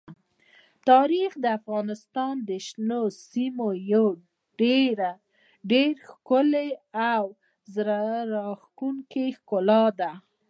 تاریخ د افغانستان د شنو سیمو یوه ډېره ښکلې او زړه راښکونکې ښکلا ده.